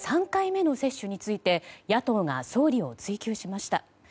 ３回目の接種について野党が総理を追及しました。